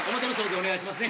お願いしますね。